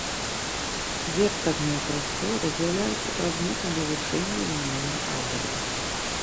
Вектарныя прасторы з'яўляюцца прадметам вывучэння лінейнай алгебры.